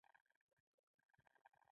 دا یو ښه فرصت دی چې یو وړاندیز وکړم